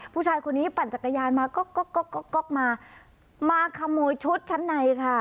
ผู้ชายคนนี้ปั่นจักรยานมาก็ก๊อกมามาขโมยชุดชั้นในค่ะ